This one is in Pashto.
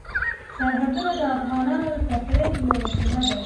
سرحدونه د افغانانو د تفریح یوه وسیله ده.